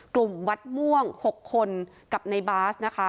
กลุ่มวัดม่วง๖คนกับในบาสนะคะ